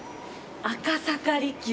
赤坂璃宮。